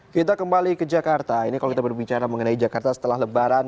kita kembali ke jakarta ini kalau kita berbicara mengenai jakarta setelah lebaran